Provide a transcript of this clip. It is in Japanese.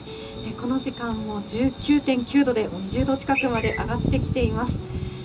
この時間もう１９．９度で、もう２０度近くまで上がってきています。